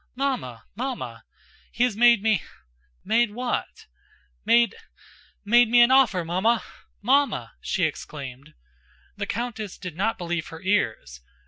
"Mamma!... Mamma!... He has made me..." "Made what?" "Made, made me an offer, Mamma! Mamma!" she exclaimed. The countess did not believe her ears.